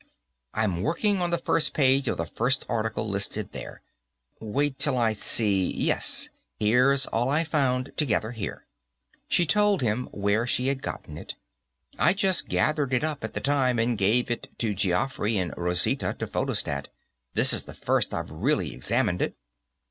"I'm working on the first page of the first article, listed there. Wait till I see; yes, here's all I found, together, here." She told him where she had gotten it. "I just gathered it up, at the time, and gave it to Geoffrey and Rosita to photostat; this is the first I've really examined it."